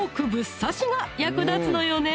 刺しが役立つのよね！